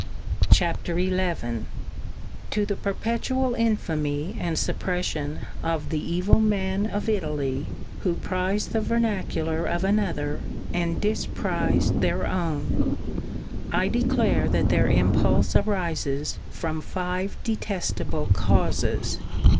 bBt ^oK y '' The To the perpetual infamy and suppression of the defamers evil men of Italy who prize the vernacular of of Italian another and disprize their own, I declare that i. ii. iii. their impulse arises from five detestable causes, iv.